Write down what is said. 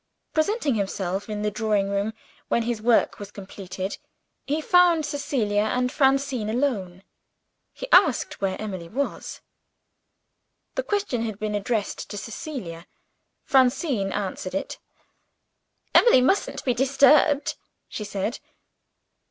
Presenting himself in the drawing room, when his work was completed, he found Cecilia and Francine alone. He asked where Emily was. The question had been addressed to Cecilia. Francine answered it. "Emily mustn't be disturbed," she said.